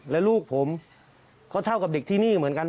และลูกผมก็เท่ากับเด็กที่นี่เหมือนกัน